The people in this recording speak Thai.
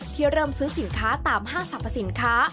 เริ่มซื้อสินค้าตามห้างสรรพสินค้า